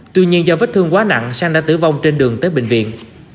tuy nhiên do vết thương quá nặng sang đã tử vong trên đường tới bệnh viện